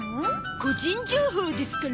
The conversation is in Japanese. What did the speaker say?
個人情報ですから。